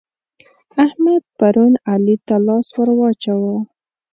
احمد پرون علي ته لاس ور واچاوو.